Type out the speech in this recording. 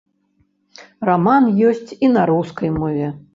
Раман ёсць і на рускай мове.